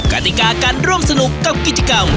กติกาการร่วมสนุกกับกิจกรรม